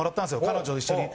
彼女と一緒に。